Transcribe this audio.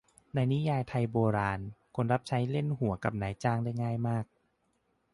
ในนิยายไทยโบราณ คนรับใช้เล่นหัวกับนายจ้างได้ง่ายมาก